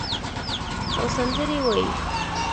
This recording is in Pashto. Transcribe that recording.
او سندرې وایې